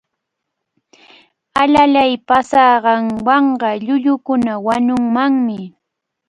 Alalay paasanqanwanqa llullukuna wañunmanmi.